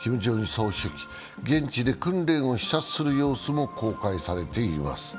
総書記、現地で訓練を視察する様子も公開されています。